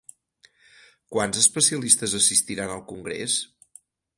Quants especialistes assistiran al congrés?